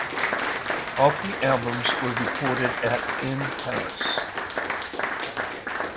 All three albums were recorded at in Paris.